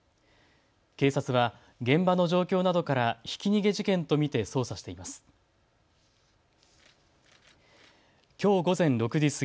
警察は現場の状況などからひき逃げ事件と見て捜査しています。